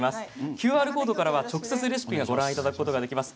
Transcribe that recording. ＱＲコードからは直接、レシピがご覧いただけます。